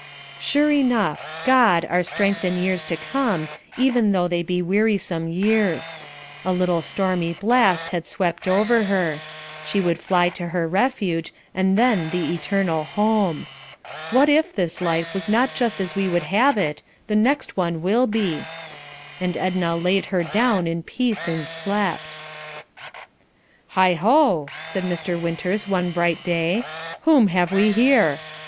Sure enough! God our "strength in years to come," even though they be wearisome years. A little "stormy blast" had swept over her. She would fly to her Refuge, and then the "eternal home." What if this life was not just as we would have it, the next one will be; and Edna "laid her down in peace and slept." "Heigh ho!" said Mr. Winters one bright day, "whom have we here?"